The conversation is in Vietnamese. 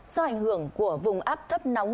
do ảnh hưởng của vùng áp thấp nóng